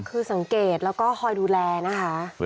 คือสังเกตแล้วก็คอยดูแลนะคะ